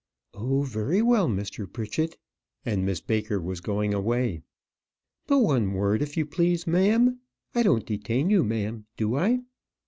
"Oh, very well, Mr. Pritchett;" and Miss Baker was going away. "But, one word, if you please, ma'am. I don't detain you, ma'am, do I?"